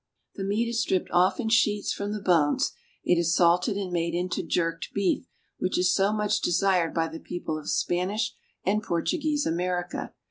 The meat is stripped off in sheets from the bones ; it is salted and made into jerked beef, which is so much desired by the people of Spanish and Portuguese America.